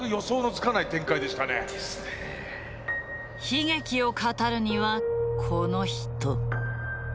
悲劇を語るにはこの人。